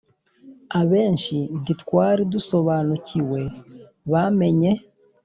abenshi ntitwari dusobanukiwe bamenye